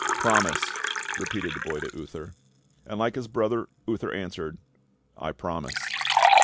"Promise," repeated the boy to Uther. And like his brother Uther answered, "I promise."